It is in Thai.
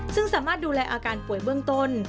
ซึ่งสามารถดูแลอาการป่วยเบื้องต้น